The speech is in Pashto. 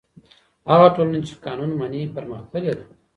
هغه ټولنه چې قانون مني پرمختللې ده.